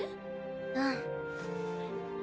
うん。